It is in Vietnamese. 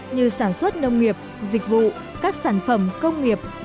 như sản xuất nông nghiệp dịch vụ các sản phẩm công nghiệp